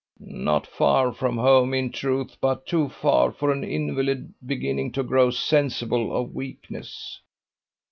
"Not far from home, in truth, but too far for an invalid beginning to grow sensible of weakness."